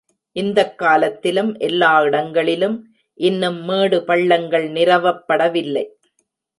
இந்தக் காலத்திலும் எல்லா இடங்களிலும் இன்னும் மேடு பள்ளங்கள் நிரவப்படவில்லை.